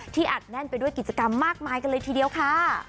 อัดแน่นไปด้วยกิจกรรมมากมายกันเลยทีเดียวค่ะ